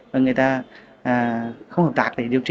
và người ta không hợp tác để điều trị